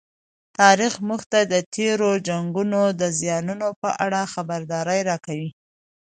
تاریخ موږ ته د تېرو جنګونو د زیانونو په اړه خبرداری راکوي.